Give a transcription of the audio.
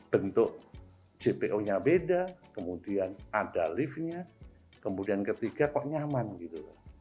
bentuk jpo nya beda kemudian ada liftnya kemudian ketiga kok nyaman gitu